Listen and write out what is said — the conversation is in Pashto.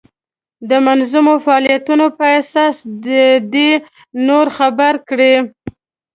د منظمو فعالیتونو په اساس دې نور خبر کړي.